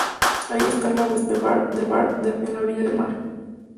Ahí está el Boulevard de Bakú en la orilla del mar.